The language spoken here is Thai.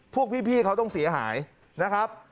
พวกพี่เขาต้องเสียหายนะครับ